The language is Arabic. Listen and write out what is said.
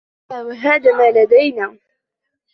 بلی و هذا ما لدینا.